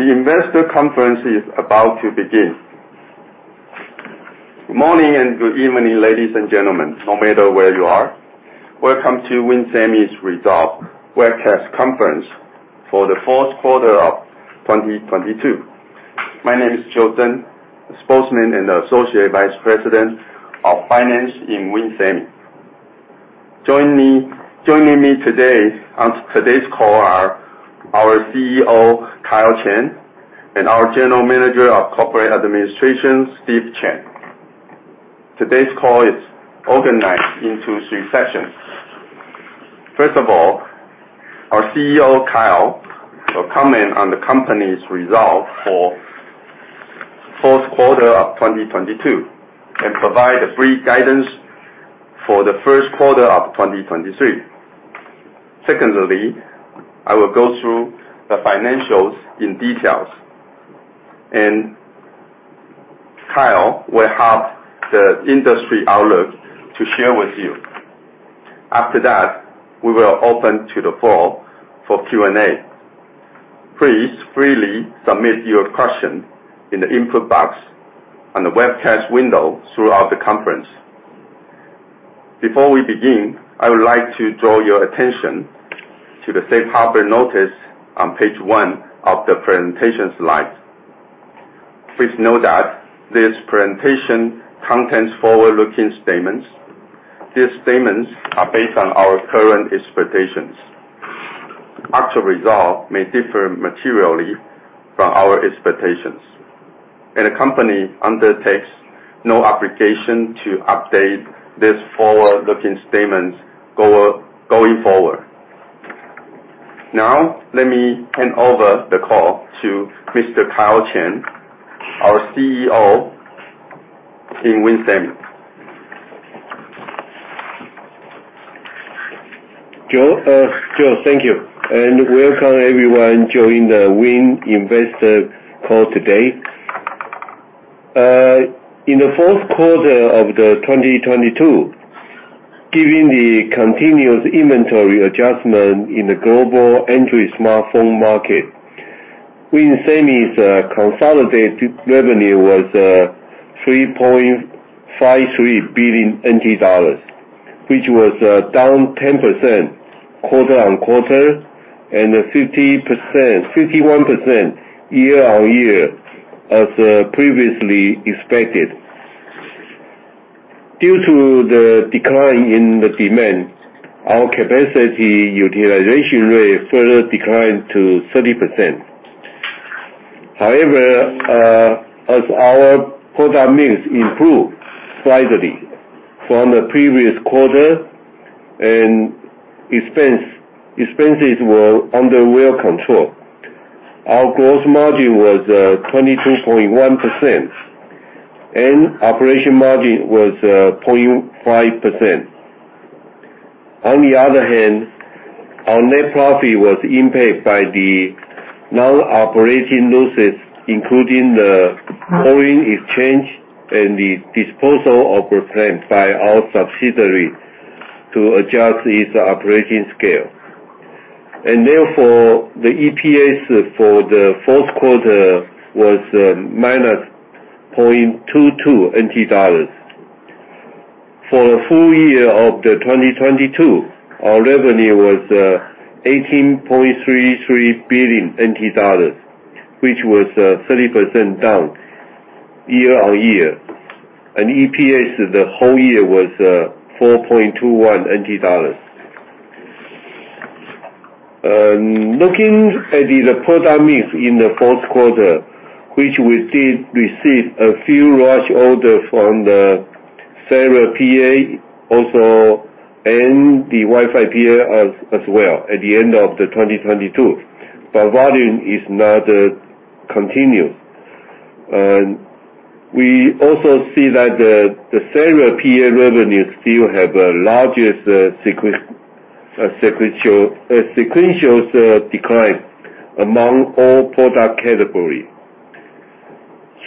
The investor conference is about to begin. Good morning and good evening, ladies and gentlemen, no matter where you are. Welcome to WIN Semi's result webcast conference for the fourth quarter of 2022. My name is Joe Tsen, Spokesman and Associate Vice President of Finance in WIN Semi. Joining me today on today's call are our CEO, Kyle Chen, and the General Manager of Corporate Administration, Steve Chen. Today's call is organized into three sections. First of all, our CEO, Kyle, will comment on the company's results for fourth quarter of 2022 and provide a brief guidance for the first quarter of 2023. Secondly, I will go through the financials in details, and Kyle will have the industry outlook to share with you. After that, we will open to the floor for Q&A. Please freely submit your question in the input box on the webcast window throughout the conference. Before we begin, I would like to draw your attention to the safe harbor notice on page 1 of the presentation slide. Please note that this presentation contains forward-looking statements. These statements are based on our current expectations. Actual results may differ materially from our expectations. The company undertakes no obligation to update this forward-looking statements going forward. Now, let me hand over the call to Mr. Kyle Chen, our CEO in WIN Semi. Joe, thank you, and welcome everyone joining the WIN investor call today. In the fourth quarter of 2022, given the continuous inventory adjustment in the global entry smartphone market, WIN Semi's consolidated revenue was 3.53 billion NT dollars, which was down 10% quarter-on-quarter and 51% year-on-year as previously expected. Due to the decline in the demand, our capacity utilization rate further declined to 30%. However, as our product mix improved slightly from the previous quarter and expenses were under well control. Our gross margin was 22.1%, and operation margin was 0.5%. On the other hand, our net profit was impacted by the non-operating losses, including the foreign exchange and the disposal of a plant by our subsidiary to adjust its operating scale. Therefore, the EPS for the fourth quarter was -0.22 NT dollars. For full year of 2022, our revenue was 18.33 billion NT dollars, which was 30% down year-on-year. EPS the whole year was 4.21 NT dollars. Looking at the product mix in the fourth quarter, which we did receive a few large order from the cellular PA also, and the Wi-Fi PA as well at the end of 2022. Volume is not continuous. We also see that the cellular PA revenue still have the largest sequential decline among all product category.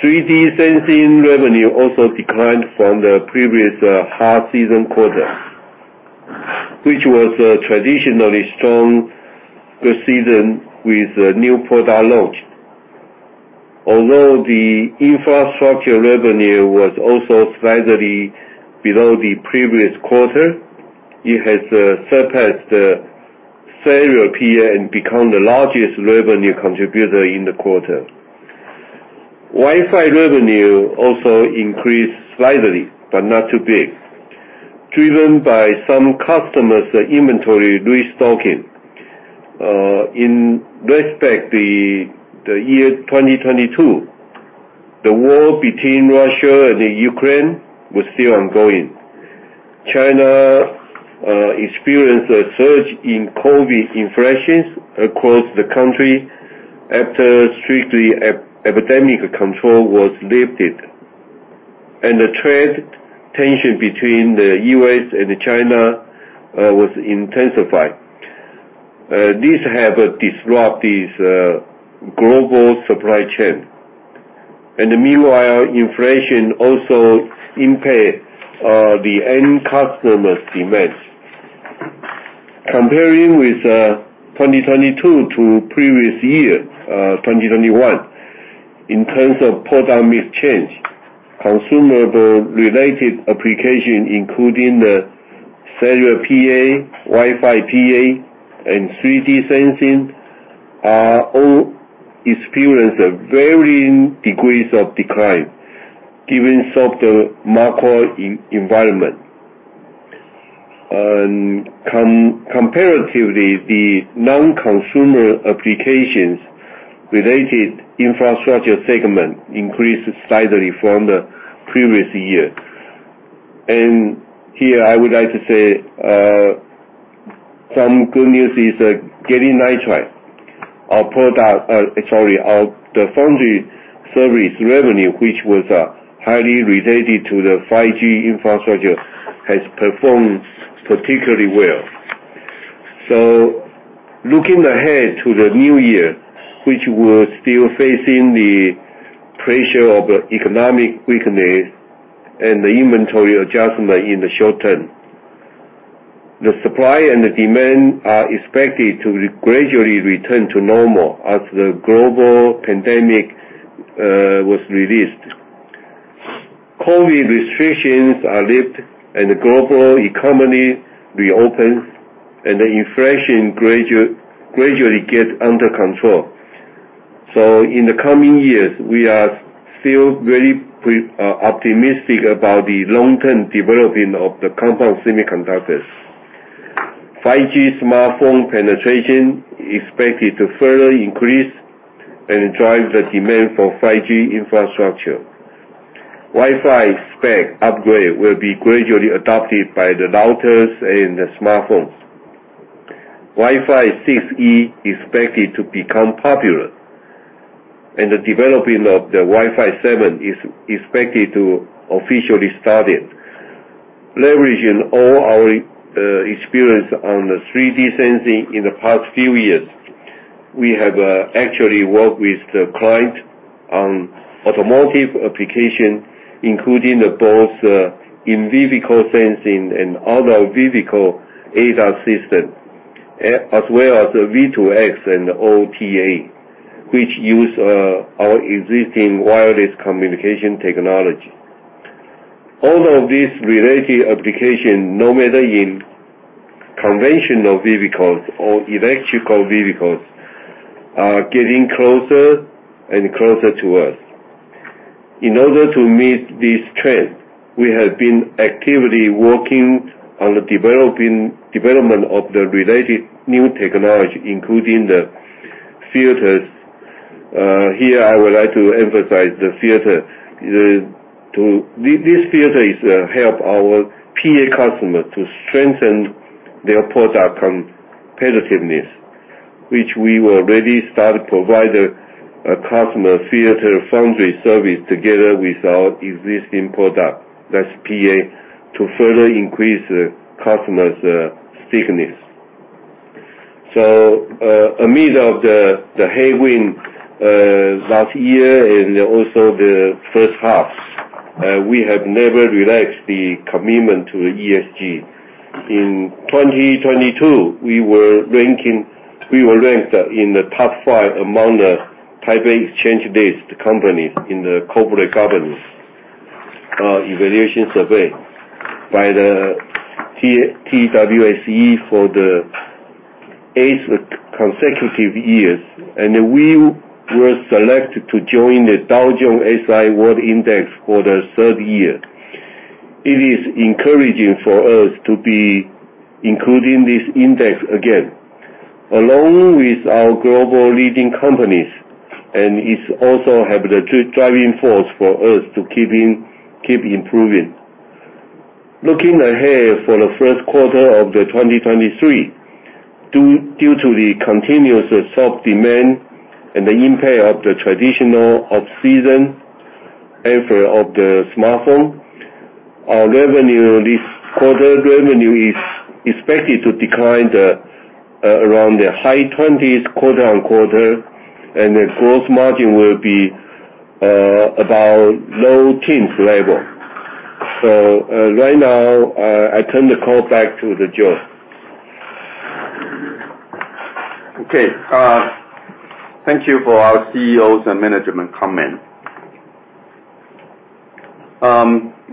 3D sensing revenue also declined from the previous half-season quarter, which was a traditionally strong season with a new product launch. The infrastructure revenue was also slightly below the previous quarter, it has surpassed the cellular PA and become the largest revenue contributor in the quarter. Wi-Fi revenue also increased slightly, but not too big, driven by some customers' inventory restocking. In respect the year 2022, the war between Russia and Ukraine was still ongoing. China experienced a surge in COVID infections across the country after strictly epidemic control was lifted. The trade tension between the U.S. and China was intensified. This have disrupted the global supply chain. Inflation also impact the end customer's demand. Comparing with 2022 to previous year, 2021, in terms of product mix change, consumable related application, including the cellular PA, Wi-Fi PA, and 3D sensing are all experience a varying degrees of decline given softer macro environment. Comparatively, the non-consumer applications-related infrastructure segment increased slightly from the previous year. Here, I would like to say some good news is gallium nitride, our product... The foundry service revenue, which was highly related to the 5G infrastructure, has performed particularly well. Looking ahead to the new year, which we're still facing the pressure of economic weakness and the inventory adjustment in the short term. The supply and the demand are expected to gradually return to normal as the global pandemic was released. COVID restrictions are lifted, and the global economy reopens, and the inflation gradually gets under control. In the coming years, we are still very optimistic about the long-term developing of the compound semiconductors. 5G smartphone penetration is expected to further increase and drive the demand for 5G infrastructure. Wi-Fi spec upgrade will be gradually adopted by the routers and the smartphones. Wi-Fi 6E expected to become popular, and the developing of the Wi-Fi 7 is expected to officially started. Leveraging all our experience on the 3D sensing in the past few years, we have actually worked with the client on automotive application, including the both in-vehicle sensing and other vehicle ADAS system, as well as the V2X and OTA, which use our existing wireless communication technology. All of these related application, no matter in conventional vehicles or electrical vehicles, are getting closer and closer to us. In order to meet this trend, we have been actively working on the Development of the related new technology, including the filters. Here, I would like to emphasize the filter. This filter is help our PA customer to strengthen their product competitiveness, which we will already start provide a customer filter foundry service together with our existing product, that's PA, to further increase the customers' thickness. Amid of the headwind, last year and also the first half, we have never relaxed the commitment to ESG. In 2022, We were ranked in the top five among the Taipei Exchange-listed companies in the corporate governance evaluation survey by the TWSE for the 8th consecutive years. We were selected to join the Dow Jones Sustainability World Index for the 3rd year. It is encouraging for us to be included in this index again, along with our global leading companies, it also has the driving force for us to keep improving. Looking ahead for the 1st quarter of 2023, due to the continuous soft demand and the impact of the traditional off-season effort of the smartphone, our revenue this quarter is expected to decline around the high 20s quarter-on-quarter, and the growth margin will be about low teens level. Right now, I turn the call back to Joe. Okay. Thank you for our CEO's and management comment.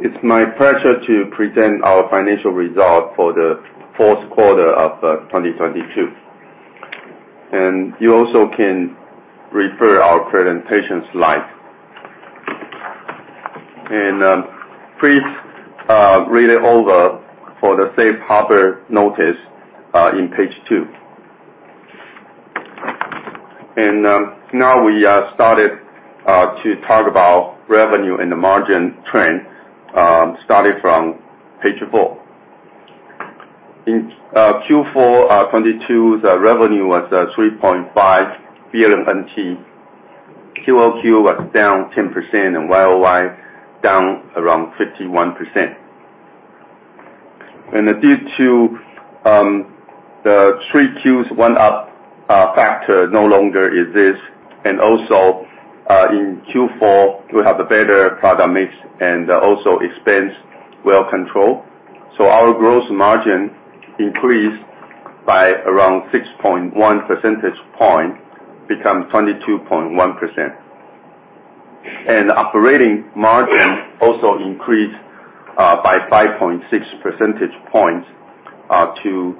It's my pleasure to present our financial result for the fourth quarter of 2022. You also can refer our presentation slide. Please read it over for the safe harbor notice in page two. Now we started to talk about revenue and the margin trend starting from page four. In Q4 2022, the revenue was 3.5 billion NT. QoQ was down 10% and YoY down around 51%. Due to the 3Qs one-up factor no longer exists, and also in Q4, we have a better product mix and also expense well control. Our gross margin increased by around 6.1% point, become 22.1%. Operating margin also increased by 5.6% points to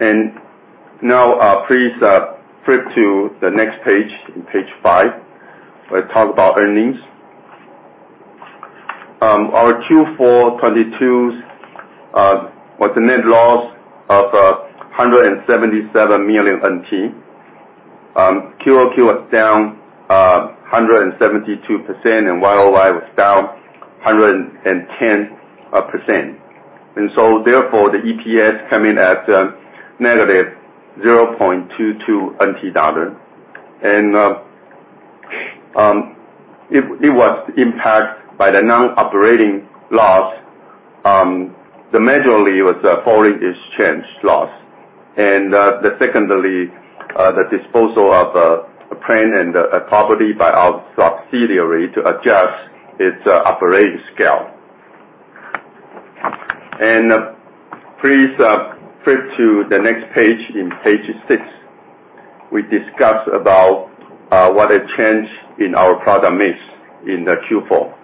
0.5%. Now, please flip to the next page, in page five. We talk about earnings. Our Q4 2022 was a net loss of 177 million NT. QoQ was down 172% and YoY was down 110%. Therefore, the EPS come in at negative 0.22 NT dollar. It was impacted by the non-operating loss. The majorly was foreign exchange loss. Secondly, the disposal of a plant and a property by our subsidiary to adjust its operating scale. Please flip to the next page in page 6. We discuss about, what a change in our product mix in the Q4.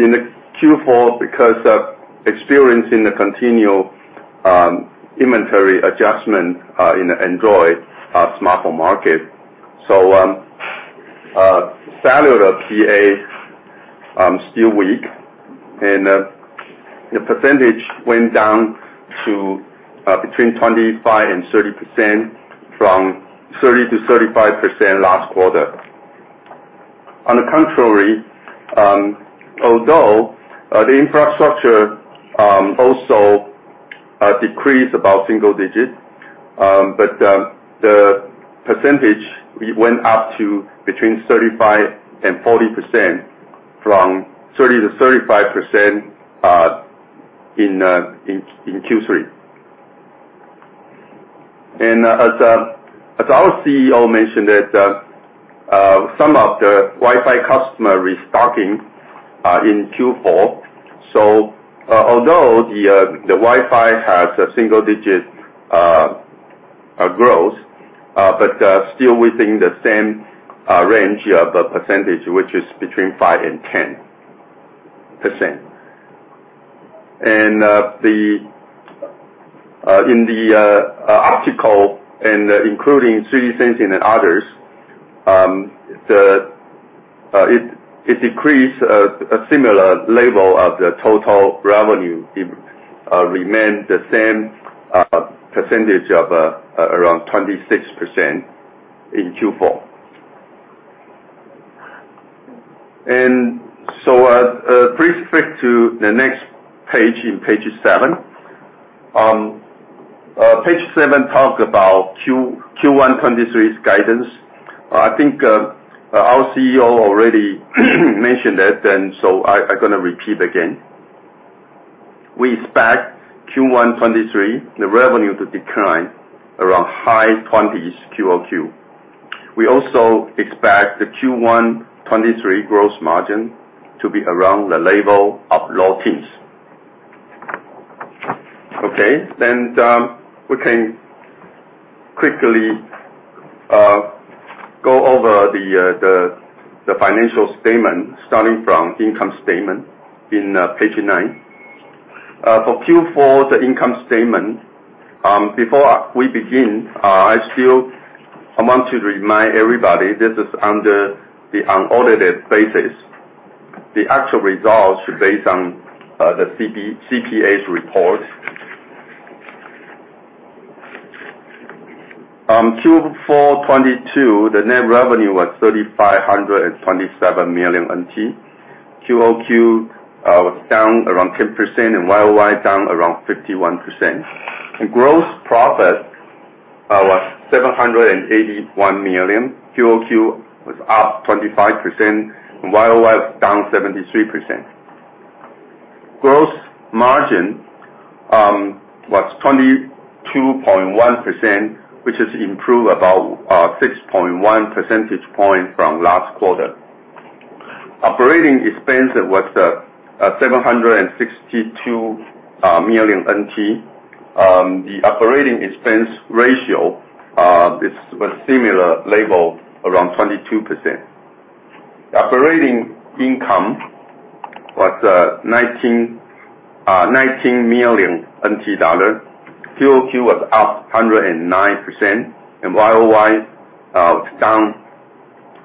In the Q4 because of experiencing the continued inventory adjustment in the Android smartphone market. Cellular PA still weak and the percentage went down to between 25% and 30% from 30%-35% last quarter. On the contrary, although the infrastructure also decreased about single digits, but the percentage we went up to between 35% and 40% from 30%-35% in Q3. As our CEO mentioned that some of the Wi-Fi customer restocking in Q4. Although the Wi-Fi has a single-digit growth, but still within the same range of a percentage, which is between 5% and 10%. In the optical, and including 3D sensing and others, it decreased a similar level of the total revenue. It remained the same percentage of around 26% in Q4. Please flip to the next page, in page seven. Page seven talk about Q1 2023's guidance. I think our CEO already mentioned it, I gonna repeat again. We expect Q1 2023, the revenue to decline around high 20s% QoQ. We also expect the Q1 2023 gross margin to be around the level of low teens. Okay? We can quickly go over the financial statement starting from income statement in page nine. For Q4, the income statement, before we begin, I still want to remind everybody this is under the unaudited basis. The actual results based on the CPAs report. Q4 2022, the net revenue was 3,527 million NT. QoQ was down around 10% and YoY down around 51%. Gross profit was 781 million. QoQ was up 25% and YoY was down 73%. Gross margin was 22.1%, which has improved about 6.1 percentage points from last quarter. Operating expense was 762 million NT. The operating expense ratio is a similar level, around 22%. Operating income was 19 million NT dollars. QoQ was up 109%, and YoY was down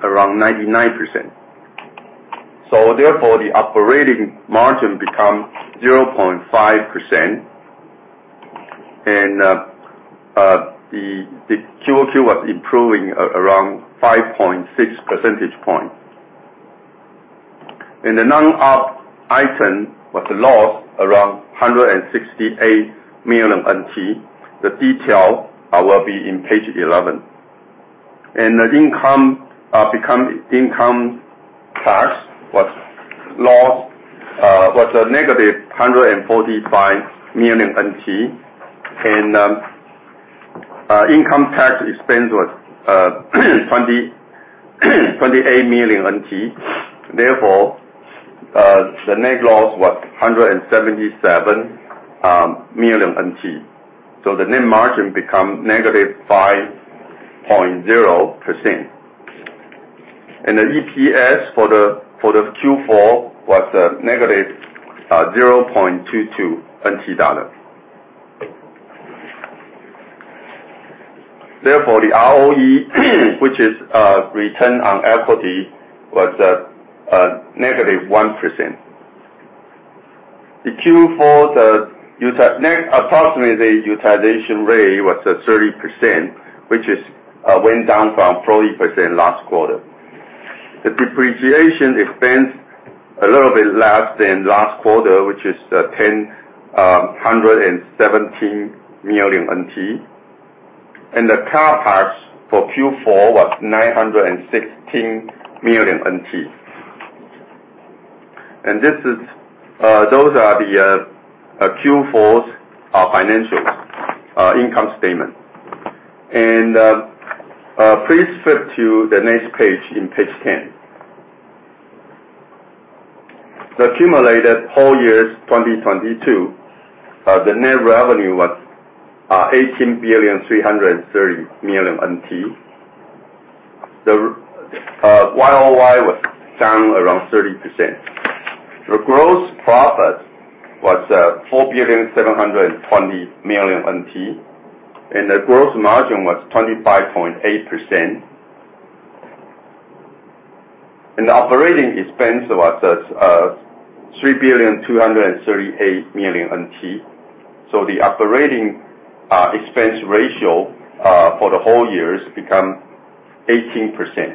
around 99%. The operating margin become 0.5%. The QoQ was improving around 5.6% points. The non-op item was a loss around 168 million NT. The detail will be in page 11. The income tax was lost, was a negative 145 million NT. Income tax expense was 28 million NT. The net loss was 177 million NT. The net margin become negative 5.0%. The EPS for the Q4 was a negative TWD 0.22. Therefore, the ROE, which is, return on equity, was -1%. The Q4, approximately the utilization rate was at 30%, which is, went down from 40% last quarter. The depreciation expense a little bit less than last quarter, which is, 117 million NT. The CapEx for Q4 was 916 million NT. This is. Those are the Q4's financials, income statement. Please flip to the next page in page 10. The accumulated whole years 2022, the net revenue was 18 billion 330 million. The YoY was down around 30%. The gross profit was 4 billion 720 million, and the gross margin was 25.8%. The operating expense was at 3,238 million NT. The operating expense ratio for the whole years become 18%.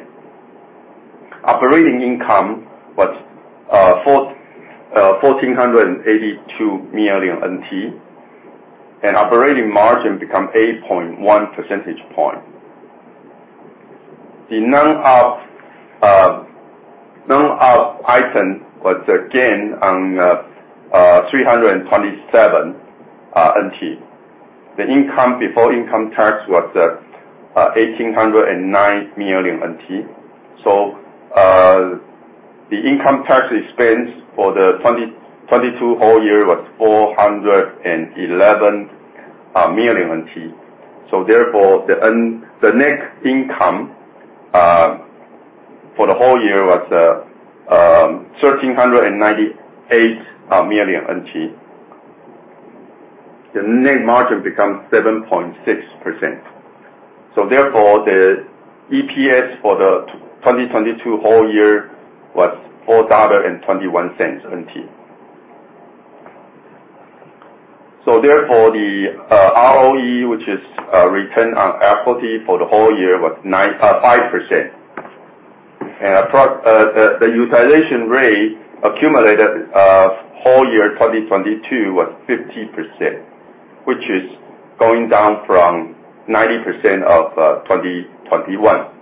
Operating income was 1,482 million NT, and operating margin become 8.1 percentage point. The non-up item was again on 327 NT. The income before income tax was 1,809 million NT. The income tax expense for the 2022 whole year was 411 million NT. Therefore, the net income for the whole year was 1,398 million NT. The net margin becomes 7.6%. Therefore, the EPS for the 2022 whole year was TWD 4.21. Therefore, the ROE, which is return on equity for the whole year, was 5%. The utilization rate accumulated whole year 2022 was 50%, which is going down from 90% of 2021.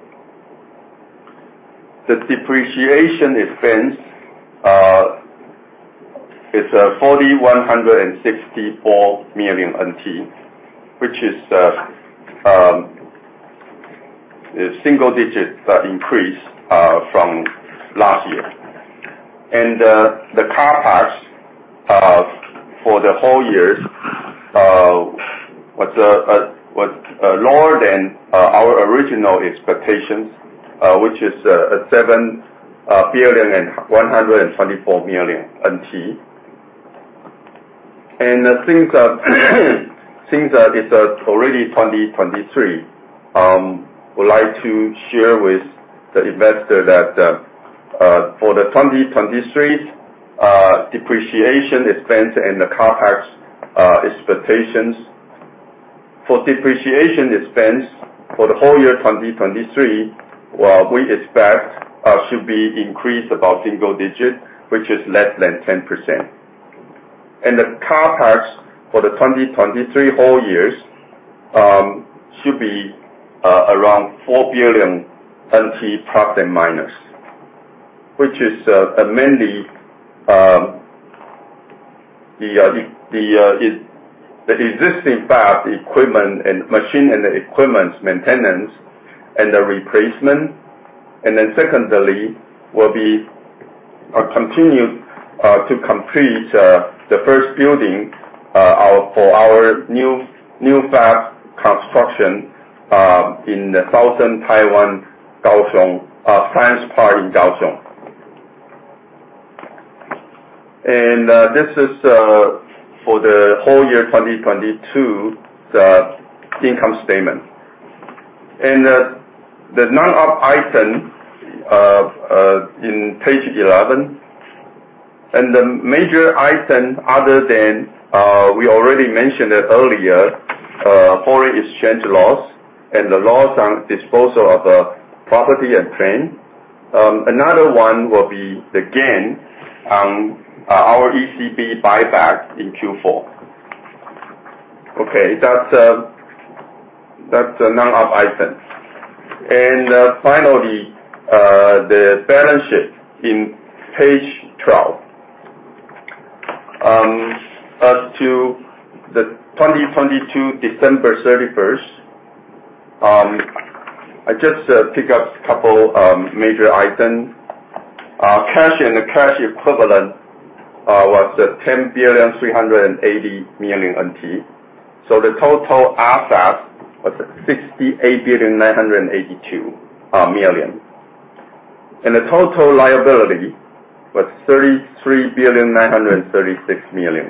The depreciation expense is 4,164 million NT, which is a single digit increase from last year. The CapEx for the whole year was lower than our original expectations, which is TWD 7,124 million. Since it's already 2023, would like to share with the investor that for the 2023's depreciation expense and the CapEx expectations. For depreciation expense for the whole year 2023, well, we expect should be increased about single digit, which is less than 10%. The CapEx for the 2023 whole years should be around 4 billion NT plus and minus, which is mainly the existing fab equipment and machine and equipment maintenance and the replacement. Secondly, will be continued to complete the first building for our new fab construction in the Southern Taiwan, Kaohsiung science park in Kaohsiung. This is for the whole year 2022, the income statement. The non-up item in page 11. The major item other than we already mentioned it earlier, foreign exchange loss and the loss on disposal of property and train. Another one will be the gain on our ECB buyback in Q4. Okay. That's a non-op item. Finally, the balance sheet in page 12. As to the 2022, December 31, I just pick up couple major item. Cash and the cash equivalent was 10.38 billion. The total assets was 68.982 billion. The total liability was 33.936 billion.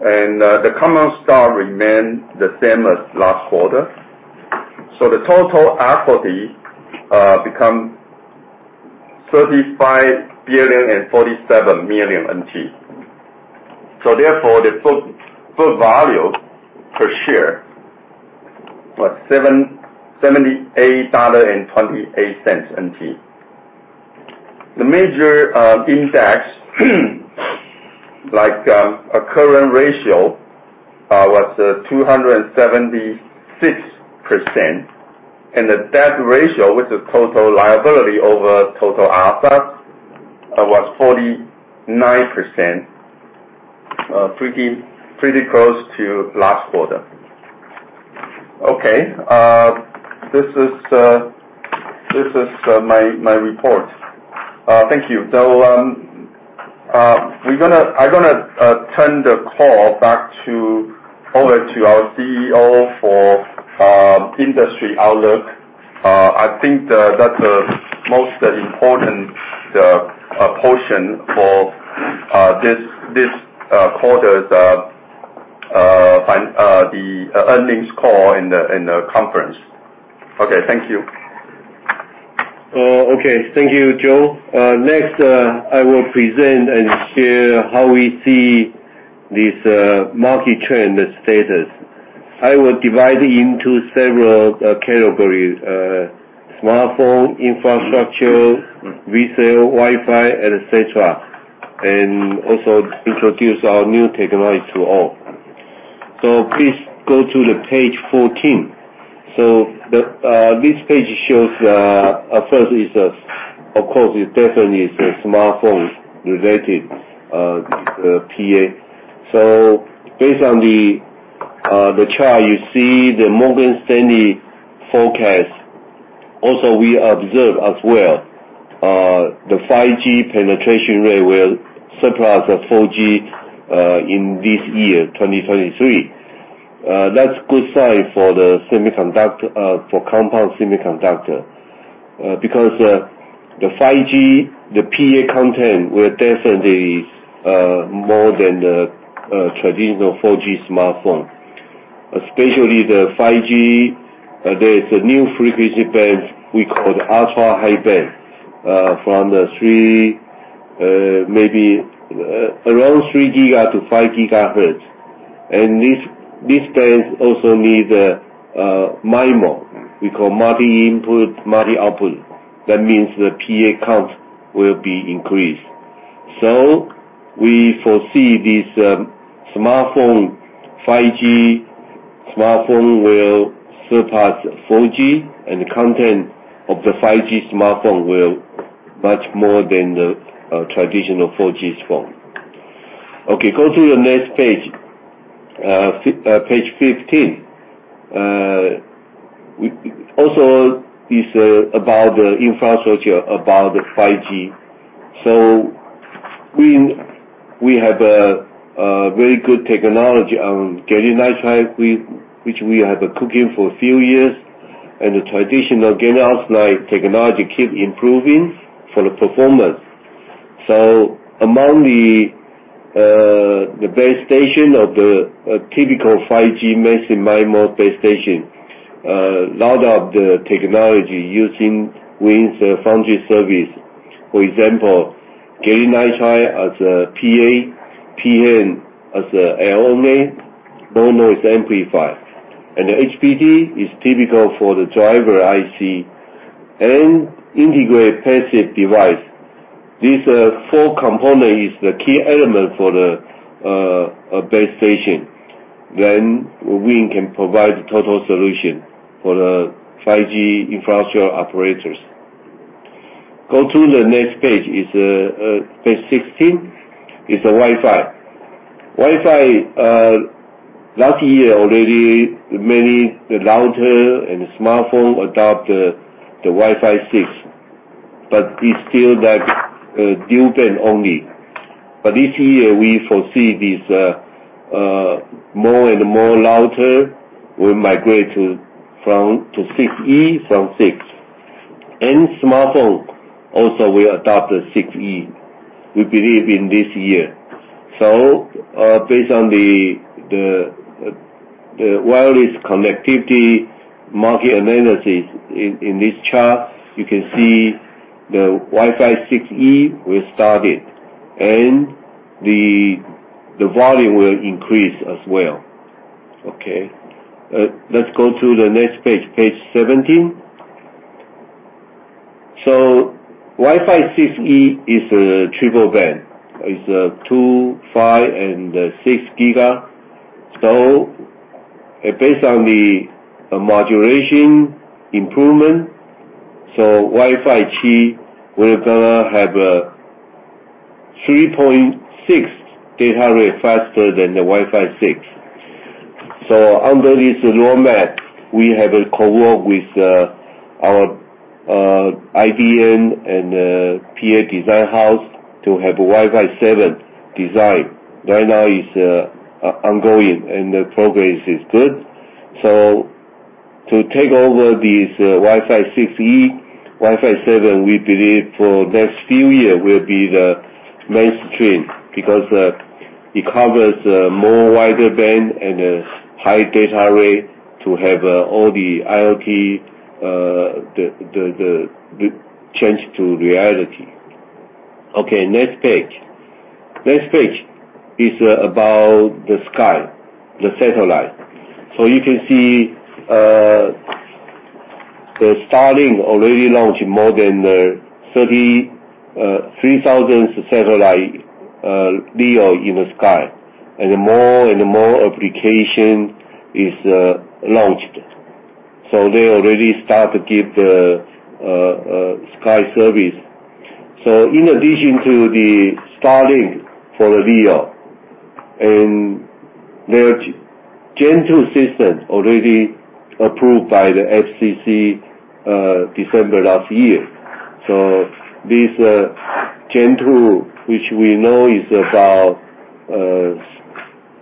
The common stock remained the same as last quarter. The total equity become 35.047 billion. Therefore, the book value per share was 78.28 dollar. The major index, like a current ratio, was 276%. The debt ratio with the total liability over total assets was 49%, pretty close to last quarter. This is my report. Thank you. I gonna turn the call over to our CEO for industry outlook. I think that's most important portion for this quarter's earnings call in the conference. Thank you. Okay. Thank you, Joe. Next, I will present and share how we see this market trend status. I will divide into several categories. Smartphone, infrastructure, retail, Wi-Fi, et cetera, and also introduce our new technology to all. Please go to page 14. The this page shows, first is, of course, it definitely is a smartphone related PA. Based on the chart you see, the Morgan Stanley forecast, also we observe as well, the 5G penetration rate will surpass the 4G in this year, 2023. That's good sign for the semiconductor, for compound semiconductor, because the 5G, the PA content will definitely more than the traditional 4G smartphone, especially the 5G. There is a new frequency band we call the ultra-high band, from the 3 gigahertz, maybe, around 3 gigahertz to 5 gigahertz. This band also need MIMO, we call multi-input, multi-output. That means the PA count will be increased. We foresee this smartphone, 5G smartphone will surpass 4G, and content of the 5G smartphone will much more than the traditional 4G phone. Go to the next page 15. Also is about the infrastructure, about 5G. We have a very good technology on gallium nitride, which we have cooking for a few years, and the traditional gallium arsenide technology keep improving for the performance. Among the base station of the typical 5G massive MIMO base station, lot of the technology using WIN's foundry service. For example, gallium nitride as a PA, PN as a LNA, low noise amplifier, and HBT is typical for the driver IC and integrate passive device. These four component is the key element for the base station. WIN can provide the total solution for the 5G infrastructure operators. Go to the next page, is page 16, is a Wi-Fi. Wi-Fi last year already many, the router and smartphone adopt the Wi-Fi 6, but it's still that dual band only. This year we foresee this more and more router will migrate to Wi-Fi 6E from Wi-Fi 6. Smartphone also will adopt Wi-Fi 6E, we believe in this year. Based on the wireless connectivity market analysis in this chart, you can see the Wi-Fi 6E will start it and the volume will increase as well. Okay. Let's go to the next page 17. Wi-Fi 6E is a triple-band. It's 2, 5 and 6 GHz. Based on the modulation improvement, Wi-Fi 6E, we're gonna have a 3.6 data rate faster than the Wi-Fi 6. Under this roadmap, we have a co-work with our IBM and PA design house to have Wi-Fi 7 design. Right now is ongoing, and the progress is good. To take over these Wi-Fi 6E, Wi-Fi 7, we believe for next few year will be the mainstream because it covers a more wider band and a high data rate to have all the IoT, the change to reality. Okay, next page. Next page is about the sky, the satellite. You can see, the Starlink already launched more than 33,000 satellite LEO in the sky, and more and more application is launched. They already start to give the sky service. In addition to the Starlink for the LEO, and their gen two system already approved by the FCC, December last year. This gen two, which we know is about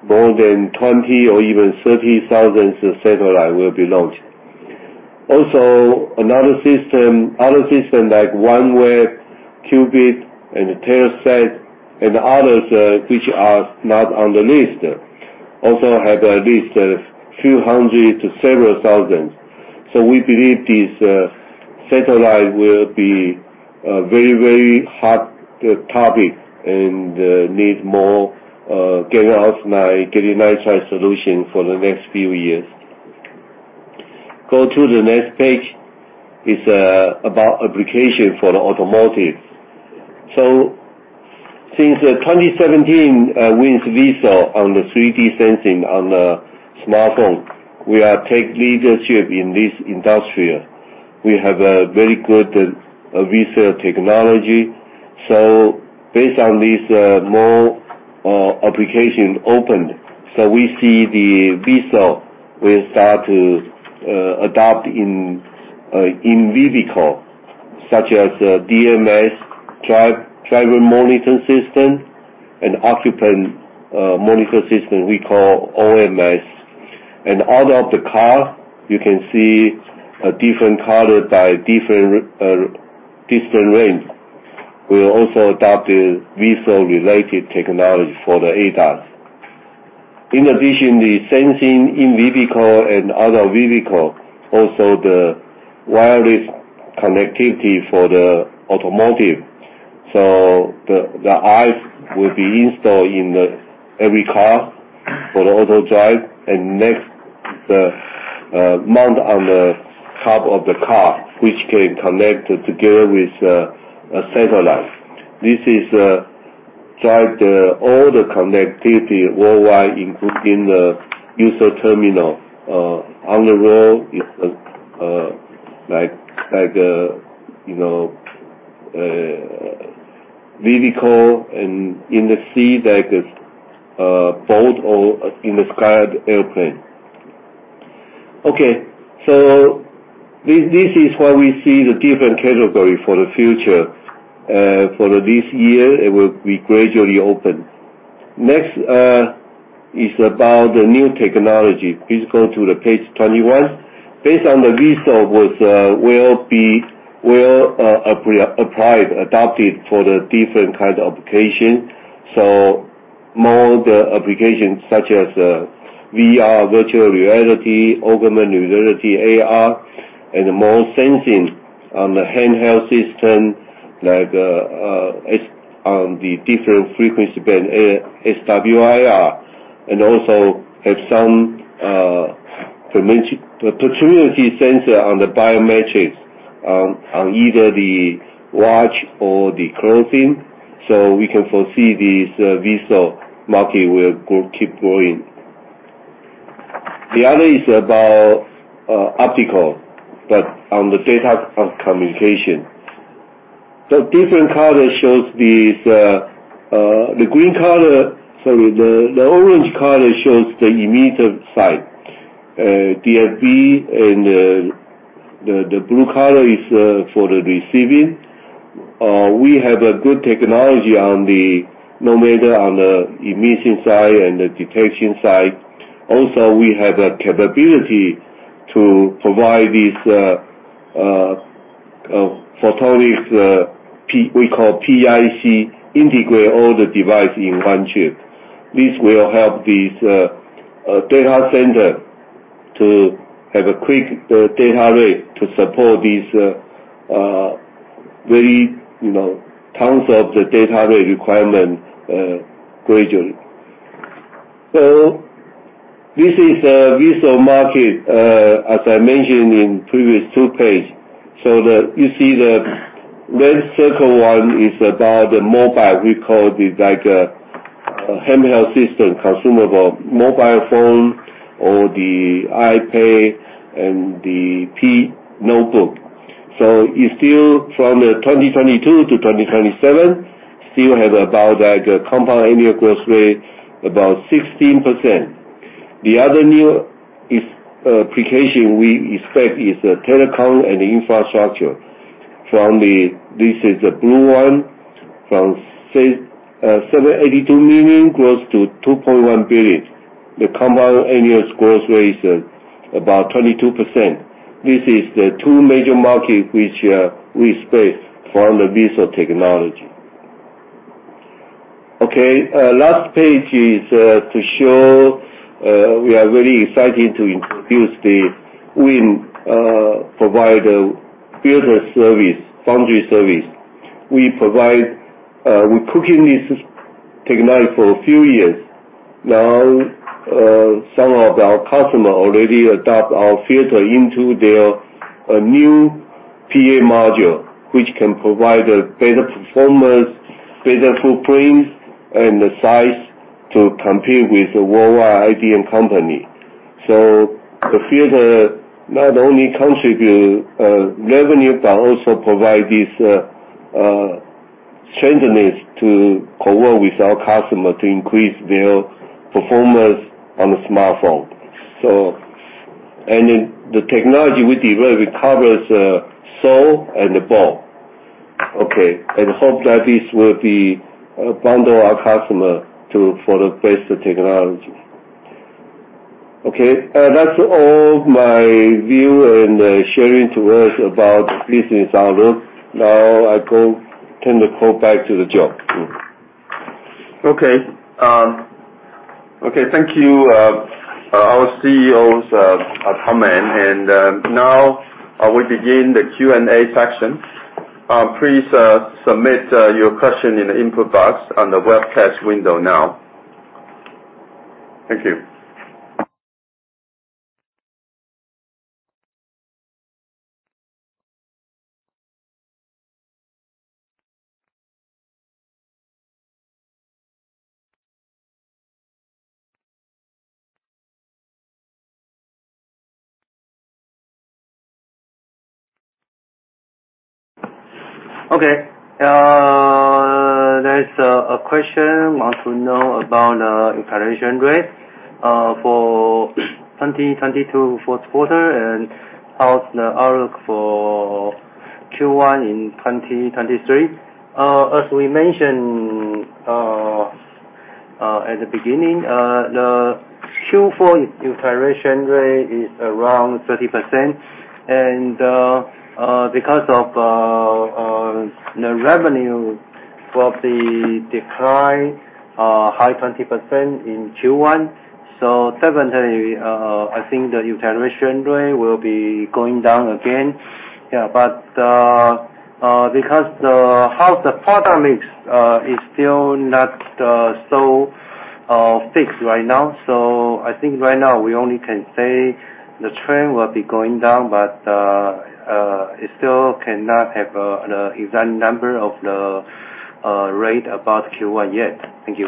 more than 20,000 or even 30,000 satellite will be launched. Also, another system, other system like OneWeb, Kuiper, and Telesat, and others, which are not on the list, also have at least a few hundred to several thousand. We believe this satellite will be a very, very hot topic and need more gallium arsenide, gallium nitride solution for the next few years. Go to the next page, is about application for the automotive. Since the 2017, WIN's VCSEL on the 3D sensing on smartphone, we are take leadership in this industry. We have a very good VCSEL technology. Based on this, more application opened. We see the VCSEL will start to adopt in in vehicle, such as DMS, driver monitoring system, and occupant monitoring system we call OMS. Out of the car, you can see a different color by different range. We'll also adopt the VCSEL related technology for the ADAS. In addition, the sensing in vehicle and other vehicle, also the wireless connectivity for the automotive. The eyes will be installed in every car for the auto-drive. Next, the mount on the top of the car, which can connect together with a satellite. This is drive all the connectivity worldwide, including the user terminal on the road. It's like, you know, vehicle and in the sea, like boat or in the sky, the airplane. Okay. This is what we see the different category for the future. For this year, it will be gradually open. Next is about the new technology. Please go to page 21. Based on the VCSEL with, applied, adopted for the different kind of application. More the application such as VR, virtual reality, augmented reality, AR, and more sensing on the handheld system, like on the different frequency band, SWIR, and also have some perpetuity sensor on the biometrics on either the watch or the clothing. We can foresee this VCSEL market will grow, keep growing. The other is about optical, but on the data of communication. The different color shows these the green color. The orange color shows the emitter side, DFB, and the blue color is for the receiving. We have a good technology on the, no matter on the emission side and the detection side. We have a capability to provide this photonics. We call PIC, integrate all the device in one chip. This will help this data center to have a quick data rate to support this very, you know, tons of the data rate requirement gradually. This is visual market as I mentioned in previous two page. You see the red circle one is about the mobile. We call it like a handheld system, consumable mobile phone or the iPad and the P notebook. It's still from the 2022 to 2027, still has about like a compound annual growth rate, about 16%. The other new is application we expect is telecom and infrastructure. This is the blue one, from 6,782 million grows to 2.1 billion. The compound annual growth rate is about 22%. This is the two major market which we expect from the VCSEL technology. Okay. Last page is to show we are very excited to introduce the WIN provide builder service, foundry service. We provide, we cooking this technology for a few years now. Some of our customer already adopt our filter into their new PA module, which can provide a better performance, better footprints and the size to compete with the worldwide IDM company. The filter not only contribute revenue, but also provide this strengthiness to co-work with our customer to increase their performance on the smartphone. In the technology we develop, it covers SAW and BAW. Okay. Hope that this will be bundle our customer for the best technology. Okay. That's all my view and sharing to us about business outlook. I go turn the call back to Joe. Okay. Okay. Thank you, our CEO's comment. Now, we begin the Q&A section. Please submit your question in the input box on the webcast window now. Thank you. Okay. There's a question want to know about utilization rate for 2022, fourth quarter and how's the outlook for Q1 in 2023. As we mentioned at the beginning, the Q4 utilization rate is around 30%. Because of the revenue for the decline, high 20% in Q1, definitely, I think the utilization rate will be going down again. Because how the product mix is still not so fixed right now. I think right now we only can say the trend will be going down, it still cannot have the exact number of the rate about Q1 yet. Thank you.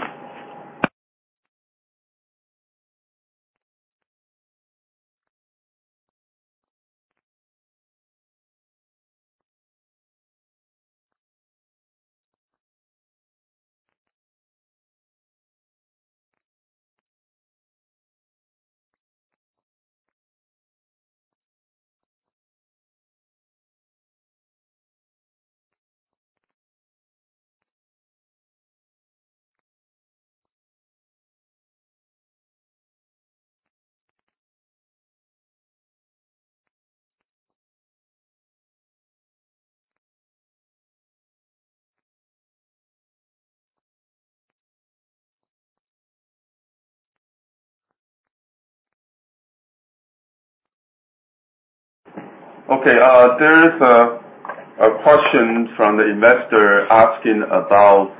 Okay. There is a question from the investor asking about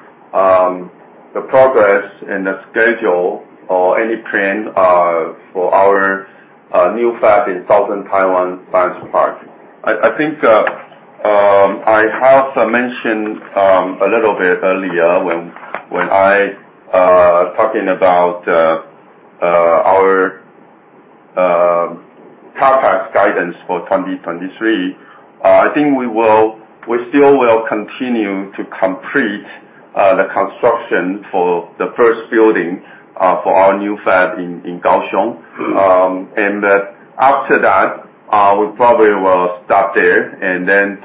the progress and the schedule or any plan for our new fab in Southern Taiwan Science Park. I think I have mentioned a little bit earlier when I talking about our CapEx guidance for 2023. I think we still will continue to complete the construction for the first building for our new fab in Kaohsiung. After that, we probably will stop there and then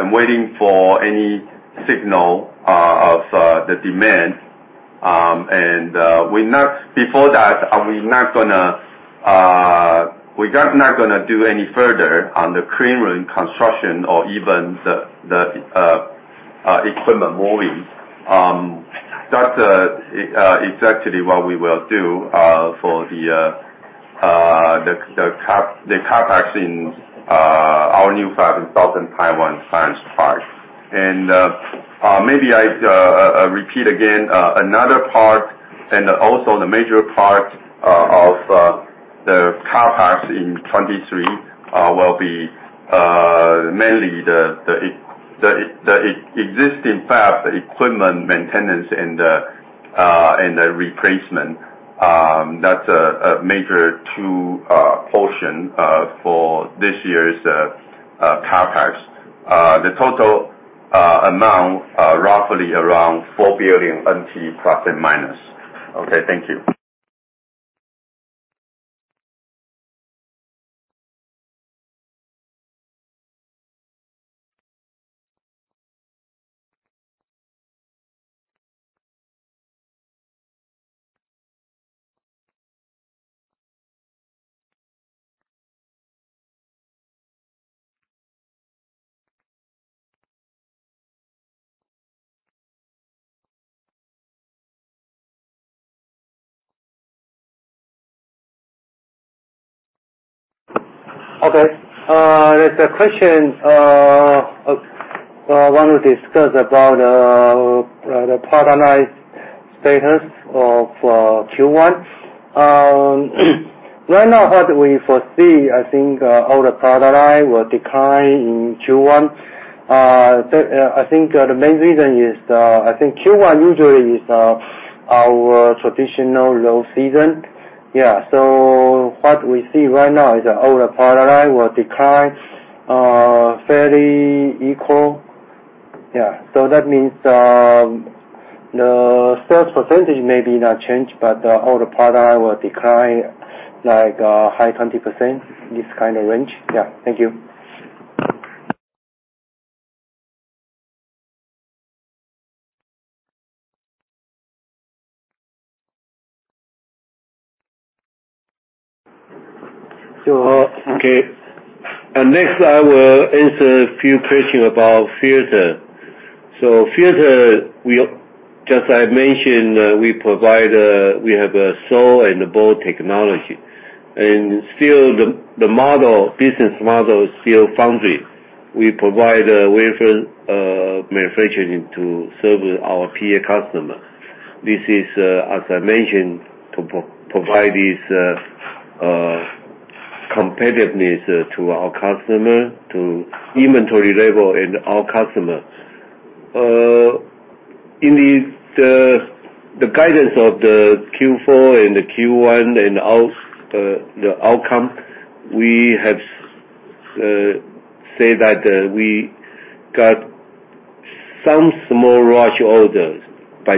I'm waiting for any signal of the demand. Before that, are we not gonna, we're just not gonna do any further on the cleanroom construction or even the equipment moving. That's exactly what we will do for the. The CapEx in our new fab in Southern Taiwan Science Park. Maybe I repeat again another part and also the major part of the CapEx in 2023 will be mainly the existing fab equipment maintenance and the replacement. That's a major two portion for this year's CapEx. The total amount roughly around 4 billion NT plus and minus. Okay, thank you. Discuss the product line status of Q1. Right now, what we foresee, I think, all the product lines will decline in Q1. I think the main reason is, I think, Q1 usually is our traditional low season. So what we see right now is that all the product lines will decline fairly equal. That means the sales percentage may not change, but all the product lines will decline like high 20%, this kind of range. Thank you. Okay. Next, I will answer a few question about filter. Just I mentioned, we provide, we have a SAW and BAW technology. Still the model, business model is still foundry. We provide, wafer, manufacturing to serve our PA customer. This is, as I mentioned, to provide this, competitiveness, to our customer, to inventory level and our customer. In the guidance of the Q4 and the Q1 and out, the outcome, we have say that, we got some small rush orders by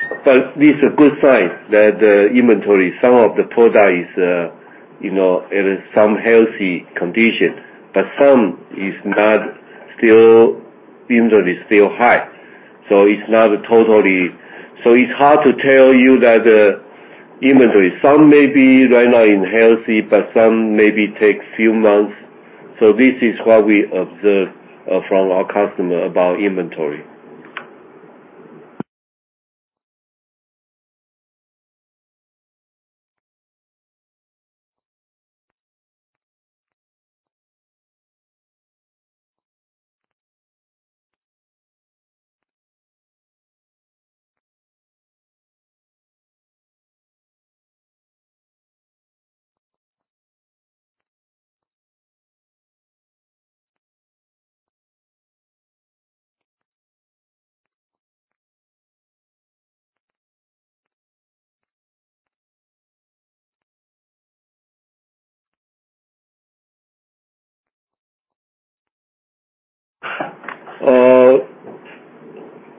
different customers. This a good sign that inventory, some of the product is, you know, it is some healthy condition, but some is not still, inventory is still high. It's not totally. It's hard to tell you that the inventory, some may be right now in healthy, but some maybe take few months. This is what we observe from our customer about inventory.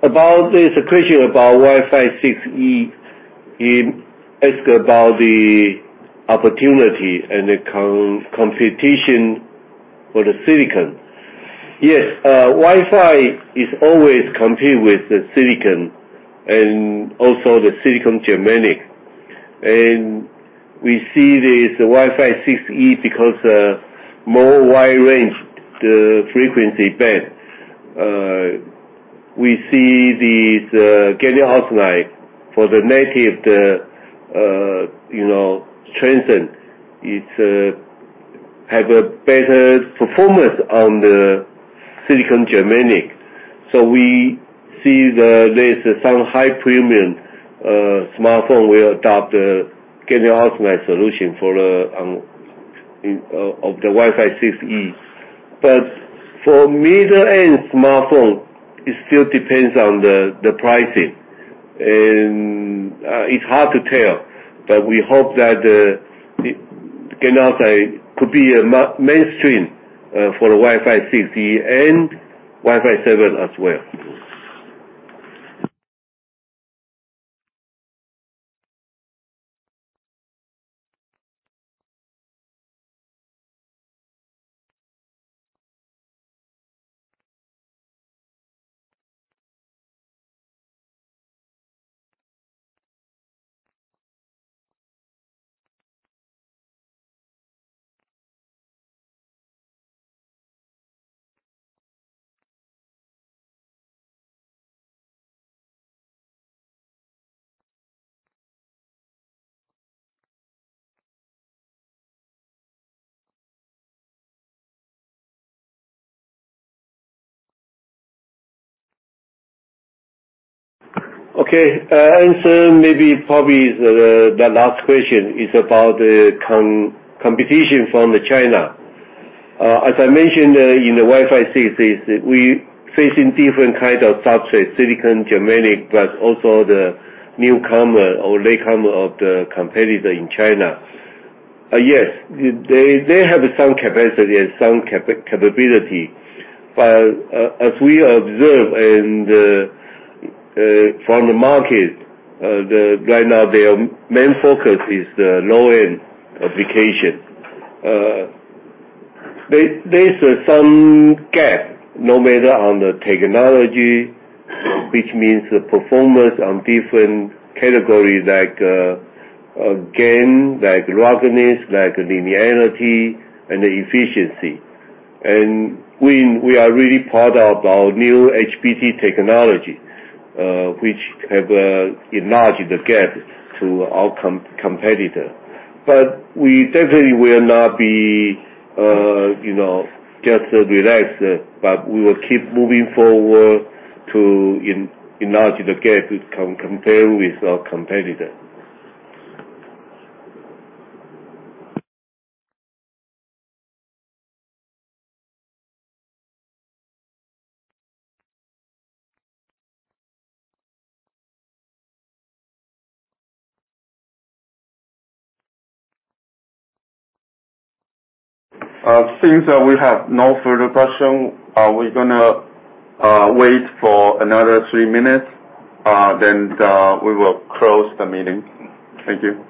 About this question about Wi-Fi 6E, it ask about the opportunity and the competition for the silicon. Yes, Wi-Fi is always compete with the silicon and also the silicon germanium. We see this Wi-Fi 6E because, more wide range, the frequency band. We see these, gallium arsenide for the native, you know, transcend. It have a better performance on the silicon germanium. We see the, there's some high premium smartphone will adopt the gallium arsenide solution for the in of the Wi-Fi 6E. For middle-end smartphone, it still depends on the pricing. It's hard to tell, but we hope that the gallium arsenide could be a mainstream for the Wi-Fi 6E and Wi-Fi 7 as well. Okay. Answer maybe probably is the last question. It's about competition from China. As I mentioned, in the Wi-Fi series, we facing different kind of substrate, silicon, germanium, but also the newcomer or latecomer of the competitor in China. Yes, they have some capacity and some capability. As we observe and from the market, right now, their main focus is the low-end application. There's some gap, no matter on the technology, which means the performance on different categories like gain, like ruggedness, like linearity and efficiency. We are really proud about new HBT technology, which have enlarged the gap to our competitor. We definitely will not be, you know, just relaxed, but we will keep moving forward to enlarge the gap compared with our competitor. Since we have no further question, we're going to wait for another 3 minutes. We will close the meeting. Thank you.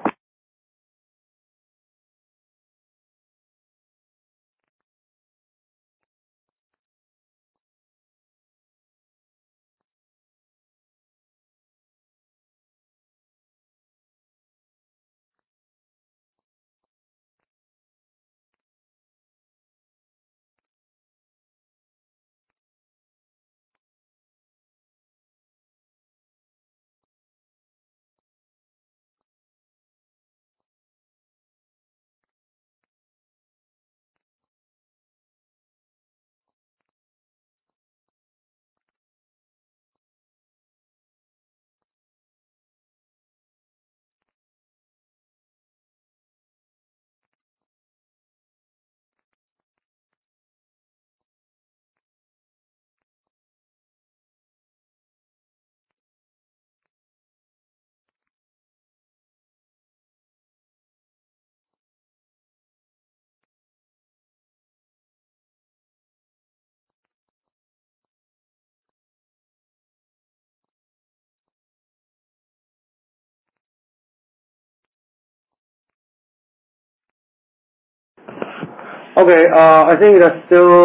Okay. I think there's still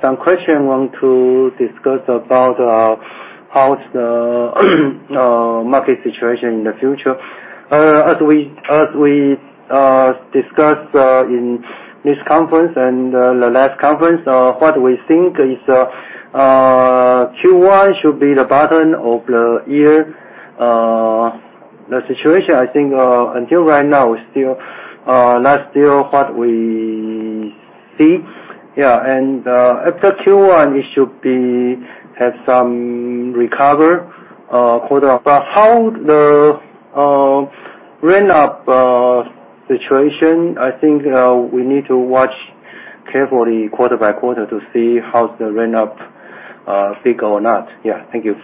some question want to discuss about how's the market situation in the future. As we discussed in this conference and the last conference, what we think is Q1 should be the bottom of the year. The situation, I think, until right now is still not still what we see. Yeah. After Q1, it should be, have some recovery quarter. How the ran up situation, I think, we need to watch carefully quarter by quarter to see how the ran up big or not. Yeah. Thank you.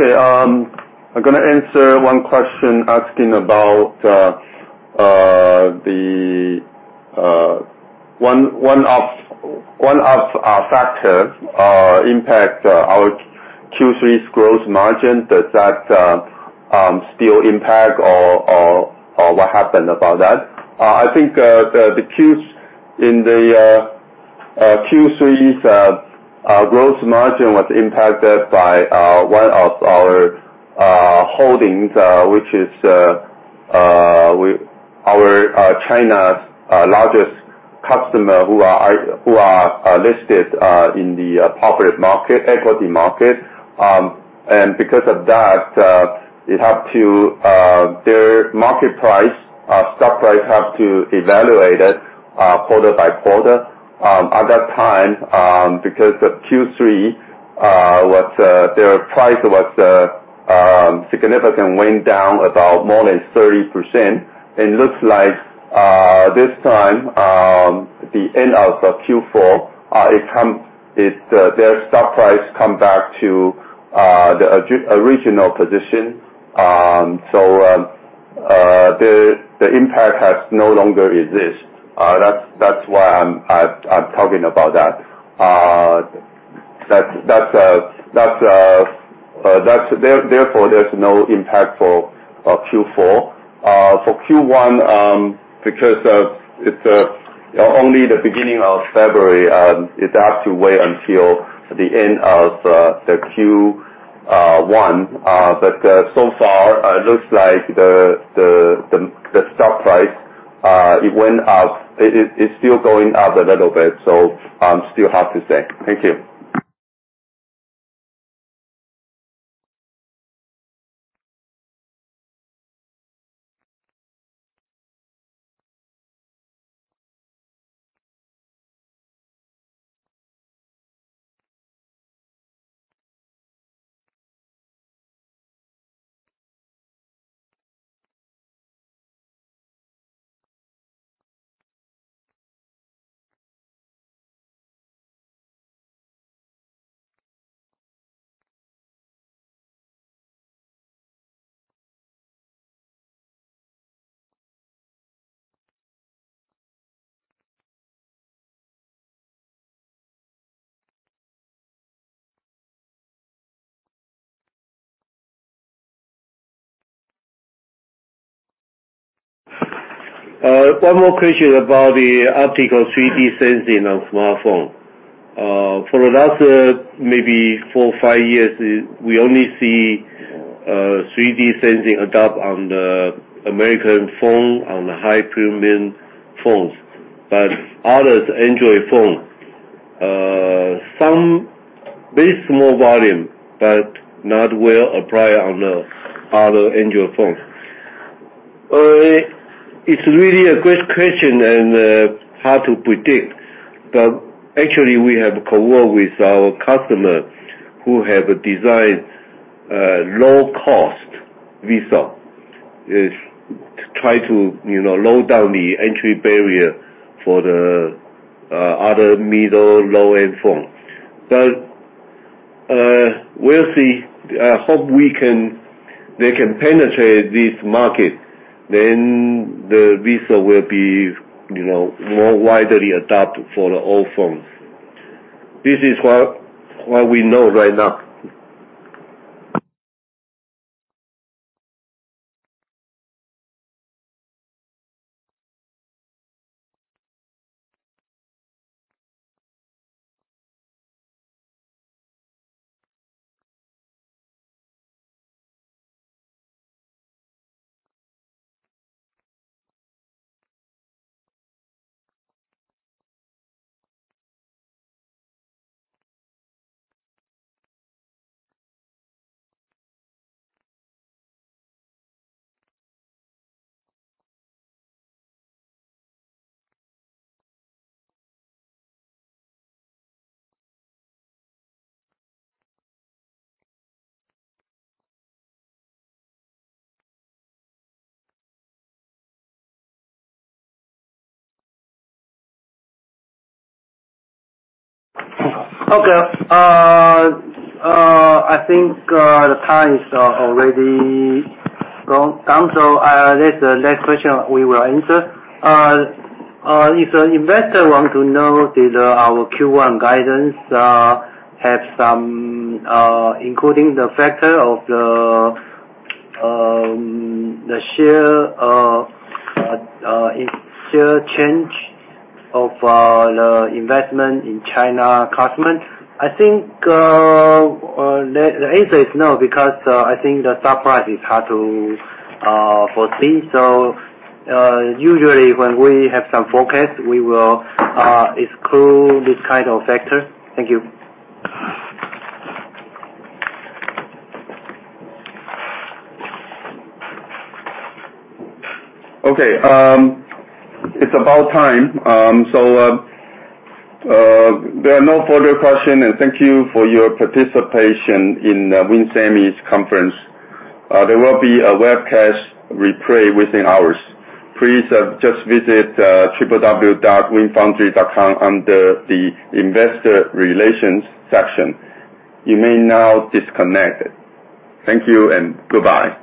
Okay. I'm gonna answer one question asking about, one of our factors, impact, our Q3's gross margin. Does that still impact or what happened about that? Uh, I think, the Q's in the, Q3's, gross margin was impacted by, one of our, holdings, which is, our, China's largest customer who are, who are listed, in the public market, equity market, and because of that, it have to, their market price, stock price have to evaluate it, quarter by quarter. At that time, because of Q3, was, their price was, significant went down about more than 30%. It looks like this time, the end of the Q4, their stock price come back to the original position. The impact has no longer exists. That's why I'm talking about that. That's therefore, there's no impact for Q4. For Q1, because it's only the beginning of February, it has to wait until the end of the Q1. So far, it looks like the stock price, it went up. It's still going up a little bit, I'm still hard to say. Thank you. One more question about the optical 3D sensing on smartphone. For the last, maybe 4, 5 years, we only see 3D sensing adopt on the American phone, on the high premium phones. Others Android phone, some very small volume, but not well applied on the other Android phones. It's really a great question, hard to predict. Actually we have co-work with our customer who have designed low-cost VCSEL. Is to try to, you know, low down the entry barrier for the other middle, low-end phone. We'll see. I hope they can penetrate this market, the VCSEL will be, you know, more widely adopted for all phones. This is what we know right now. Okay. I think the time is already gone, done, let the next question we will answer. If an investor wants to know did our Q1 guidance have some including the factor of the share change of the investment in China custom. I think the answer is no, because I think the stock price is hard to foresee. Usually when we have some focus, we will exclude this kind of factor. Thank you. Okay. It's about time. There are no further question, and thank you for your participation in WIN Semi's conference. There will be a webcast replay within hours. Please just visit www.winfoundry.com under the investor relations section. You may now disconnect. Thank you and goodbye.